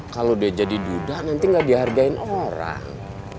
kalau dia jadi dudah nanti gak dihargain orang